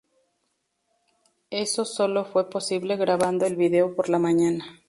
Eso solo fue posible grabando el vídeo por la mañana.